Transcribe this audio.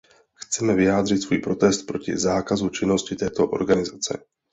Chceme vyjádřit svůj protest proti zákazu činnosti této organizace.